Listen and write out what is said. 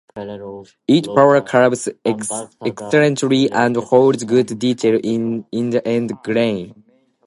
It power carves excellently and holds good detail in the end grain.